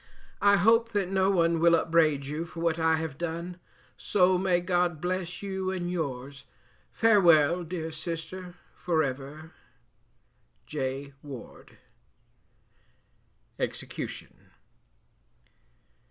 I hope that no one will upbraid you for what I have done; so may God bless you and yours; farewell! dear sister for ever. J WARDE EXECUTION.